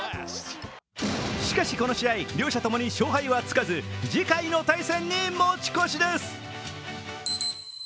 しかしこの試合、両者ともに勝敗はつかず次回の対戦に持ち越しです。